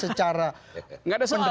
tidak ada soal